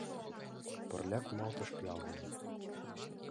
Пырля кумалтыш пиал дене